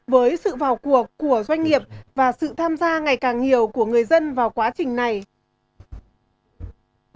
với sự vào cuộc của doanh nghiệp và sự tham gia ngày càng nhiều của người dân vào quá trình này